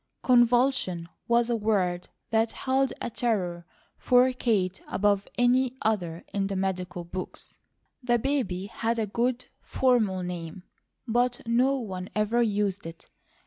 "Convulsion," was a word that held a terror for Kate above any other in the medical books. The baby had a good, formal name, but no one ever used it.